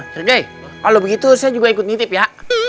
today kalau begitu saya juga ikut nitip ya